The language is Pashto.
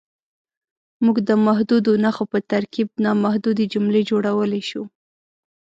موږ د محدودو نښو په ترکیب نامحدودې جملې جوړولی شو.